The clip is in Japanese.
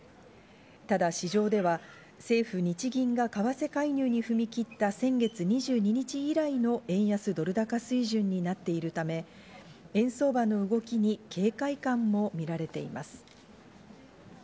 ただ市場では政府・日銀が為替介入に踏み切った先月２０日以来の円安ドル高水準になっているため、円相場の動きに警戒感もみられています。